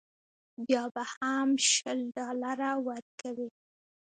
بیا به هم شل ډالره ورکوې.